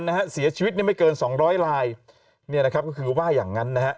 นะเสียชีวิตไม่เกิน๒๐๐ลายนะครับก็คือว่าอย่างนั้นนะ